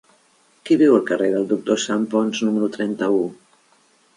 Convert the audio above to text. Qui viu al carrer del Doctor Santponç número trenta-u?